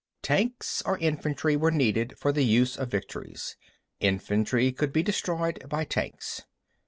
Tanks or infantry were needed for the use of victories. Infantry could be destroyed by tanks.